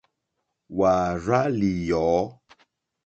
Wàà rzà lìyɔ̌.